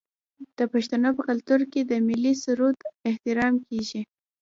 د پښتنو په کلتور کې د ملي سرود احترام کیږي.